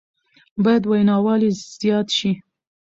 بايد ويناوال يې زياد شي